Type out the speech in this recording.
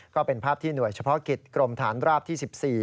ก็เป็นภาพที่หน่วยเฉพาะกิจกรมฐานราบที่๑๔